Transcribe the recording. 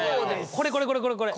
これこれこれこれこれ！